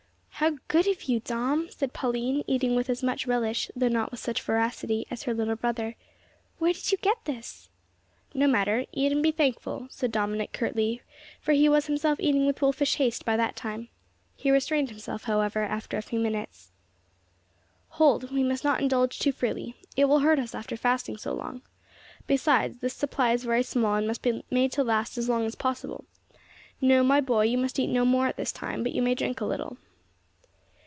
"How good of you, Dom!" said Pauline, eating with as much relish, though not with such voracity, as her little brother, "Where did you get this?" "No matter; eat and be thankful," said Dominick curtly, for he was himself eating with wolfish haste by that time. He restrained himself, however, after a few minutes. "Hold! We must not indulge too freely. It will hurt us after fasting so long. Besides, this supply is very small, and must be made to last as long as possible. No, my boy, you must eat no more at this time, but you may drink a little."